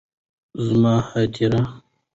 زما هديره